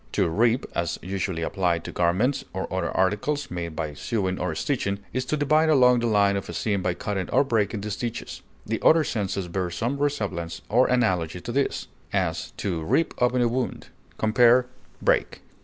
To rip, as usually applied to garments or other articles made by sewing or stitching, is to divide along the line of a seam by cutting or breaking the stitches; the other senses bear some resemblance or analogy to this; as, to rip open a wound. Compare BREAK.